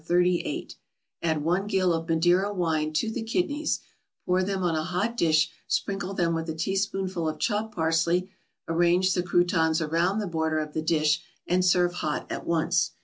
38; add one gill of Madeira wine to the kidneys, pour them on a hot dish, sprinkle them with a teaspoonful of chopped parsley, arrange the croutons around the border of the dish, and serve hot at once.